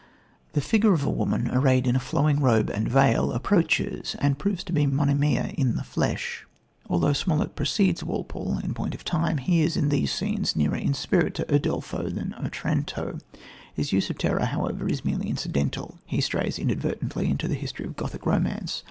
" The figure of a woman, arrayed in a flowing robe and veil, approaches and proves to be Monimia in the flesh. Although Smollett precedes Walpole, in point of time, he is, in these scenes, nearer in spirit to Udolpho than Otranto. His use of terror, however, is merely incidental; he strays inadvertently into the history of Gothic romance.